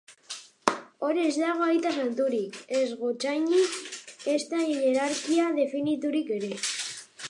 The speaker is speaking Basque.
Hor ez dago aita santurik, ez gotzainik ezta jerarkia definiturik ere.